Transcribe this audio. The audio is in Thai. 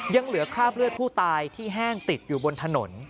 ยังเหลือคราบเลือดผู้ตายที่แห้งติดอยู่บนถนน